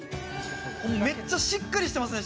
これめっちゃしっかりしてますね